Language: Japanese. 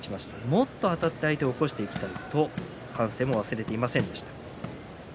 もっとあたって相手を起こしていきたいと反省も忘れませんでした。